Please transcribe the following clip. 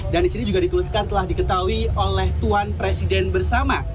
dan di sini juga dituliskan telah diketahui oleh tuan presiden bersama